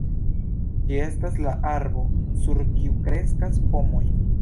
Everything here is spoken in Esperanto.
Ĝi estas la arbo sur kiu kreskas pomoj.